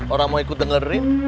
orang mau ikut dengerin